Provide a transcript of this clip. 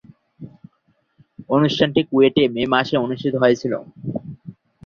অনুষ্ঠানটি কুয়েটে মে মাসে অনুষ্ঠিত হয়েছিলো।